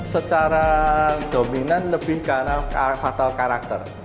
secara dominan lebih karena faktor karakter